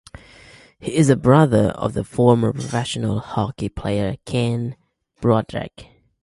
He is the brother of former professional hockey player Ken Broderick.